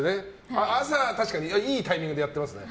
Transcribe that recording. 朝、確かにいいタイミングでやってますね。